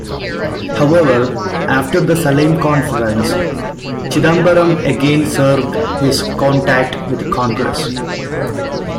However, after the Salem conference Chidambaram again severed his contact with Congress.